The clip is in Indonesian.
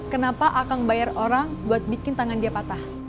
kenapa akan bayar orang buat bikin tangan dia patah